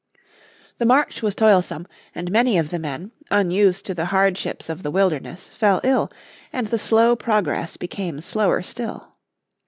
The march was toilsome, and many of the men, unused to the hardships of the wilderness, fell ill, and the slow progress became slower still.